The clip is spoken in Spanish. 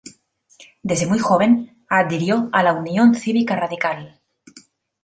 Desde muy joven adhirió a la Unión Cívica Radical.